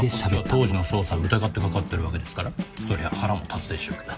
当時の捜査を疑ってかかってるわけですからそりゃ腹も立つでしょうけど。